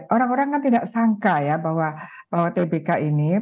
orang orang kan tidak sangka ya bahwa tbk ini